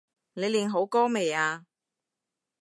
你練好歌未呀？